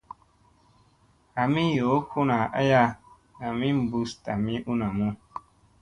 Hamii yoomi kuna aya ami ɓus tami u namu.